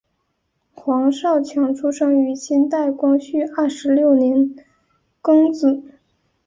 黄少强出生于清代光绪二十六年庚子。